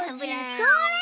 それ！